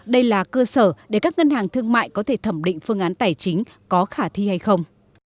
đây là cơ sở để các ngân hàng thương mại có thể thẩm định phương án tài chính có khả thi hay không